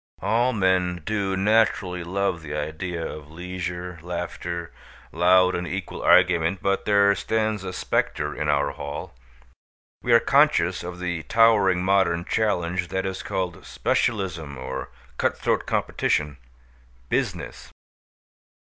All men do naturally love the idea of leisure, laughter, loud and equal argument; but there stands a specter in our hall. We are conscious of the towering modern challenge that is called specialism or cut throat competition Business.